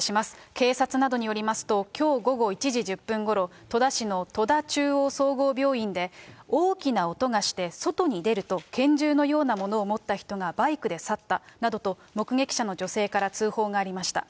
警察などによりますと、きょう午後１時１０分ごろ、戸田市の戸田中央総合病院で、大きな音がして、外に出ると、拳銃のようなものを持った人がバイクで去ったなどと、目撃者の女性から通報がありました。